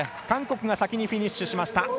韓国が先にフィニッシュしました。